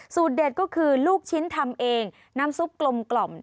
สูตรเด็ดก็คือลูกชิ้นทำเองน้ำซุปกลมกล่อม